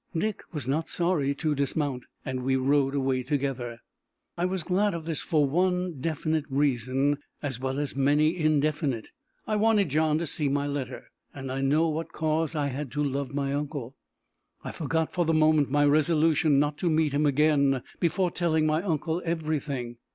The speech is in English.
Dick was not sorry to dismount, and we rode away together. I was glad of this for one definite reason, as well as many indefinite: I wanted John to see my letter, and know what cause I had to love my uncle. I forgot for the moment my resolution not to meet him again before telling my uncle everything.